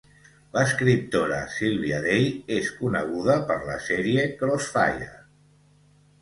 L'escriptora Sylvia Day és coneguda per la sèrie "Crossfire"